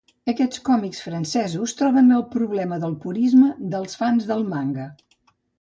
Aquests còmics francesos troben el problema del purisme dels fans del manga.